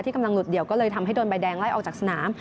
กำลังหลุดเดี่ยวก็เลยทำให้โดนใบแดงไล่ออกจากสนาม